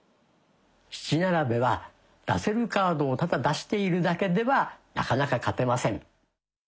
七並べは出せるカードをただ出しているだけではなかなか勝てません。